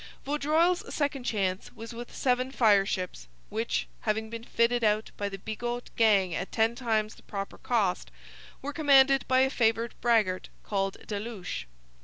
Vaudreuil's second chance was with seven fireships, which, having been fitted out by the Bigot gang at ten times the proper cost, were commanded by a favoured braggart called Delouche.